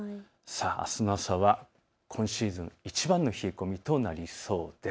あすの朝は今シーズンいちばんの冷え込みとなりそうです。